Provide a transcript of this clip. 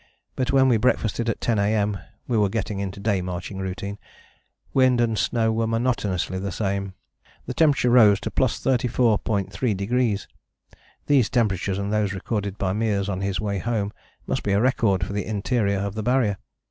But when we breakfasted at 10 A.M. (we were getting into day marching routine) wind and snow were monotonously the same. The temperature rose to +34.3°. These temperatures and those recorded by Meares on his way home must be a record for the interior of the Barrier.